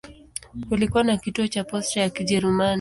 Kulikuwa na kituo cha posta ya Kijerumani.